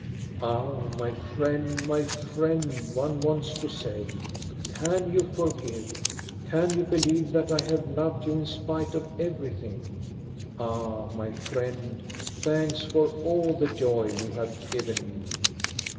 " Ah, my friend, my friend," one wants to say, can you forgive? Can you believe that I have loved you in spite of everything ! Ah, my friend, thanks for all the joy you have given me!"